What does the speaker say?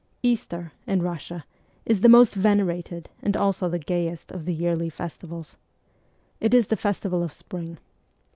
Easter, in Russia, is the most venerated and also the gayest of the yearly festivals. It is the festival of spring.